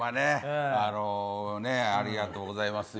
ありがとうございますね。